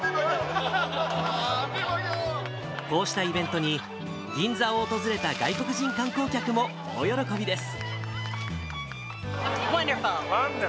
こうしたイベントに、銀座を訪れた外国人観光客も大喜びです。